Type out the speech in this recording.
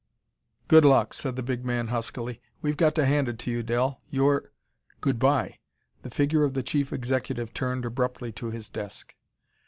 "Good luck," said the big man huskily. "We've got to hand it to you, Del; you're " "Good by!" The figure of the Chief Executive turned abruptly to his desk.